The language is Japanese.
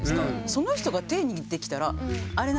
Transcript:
その人が手握ってきたらあれ？